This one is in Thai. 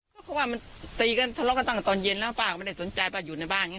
เพราะว่ามันตีกันทะเลาะกันตั้งแต่ตอนเย็นแล้วป้าก็ไม่ได้สนใจป้าอยู่ในบ้านอย่างนี้